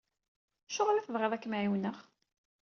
Acuɣer i tebɣiḍ ad kem-ɛiwneɣ?